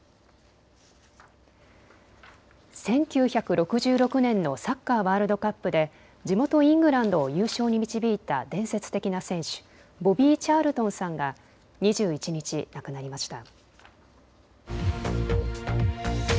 １９６６年のサッカーワールドカップで地元イングランドを優勝に導いた伝説的な選手、ボビー・チャールトンさんが２１日、亡くなりました。